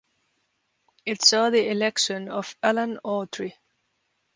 It saw the election of Alan Autry.